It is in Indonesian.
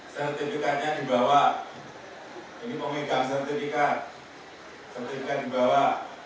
sertifikatnya dibawa ini memegang sertifikat sertifikat dibawa